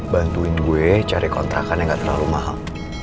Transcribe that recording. bantuin gue cari kontrakan yang gak terlalu mahal